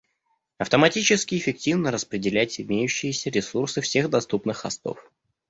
Автоматически эффективно распределять имеющиеся ресурсы всех доступных хостов